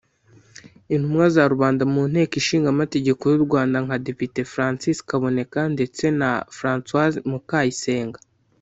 Intumwa za Rubanda mu Nteko Ishinga Amategeko y’u Rwanda nka Depite Francis Kaboneka ndetse na Francoise Mukayisenga